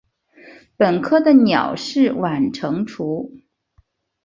本科的鸟是晚成雏。